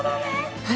はい。